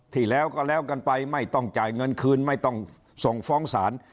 ที่แล้วก็แล้วกันไปไม่ต้องจ่ายเงินคืนไม่ต้องส่งฟ้องศาล